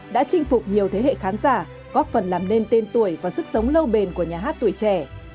đã chinh phục nhiều thế hệ khán giả góp phần làm nên tên tuổi và sức sống lâu bền của nhà hát tuổi trẻ